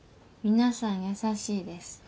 皆さん優しいです。